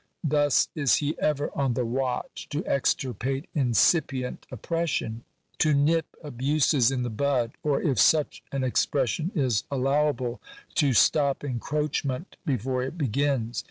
Thus is he ever on the watch to extirpate incipient oppression ; to nip abuses in the bud ; or, if such an expression is allow able, to stop encroachment before it begins.